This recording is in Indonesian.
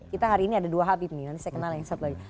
kita hari ini ada dua habib nih nanti saya kenal yang satu lagi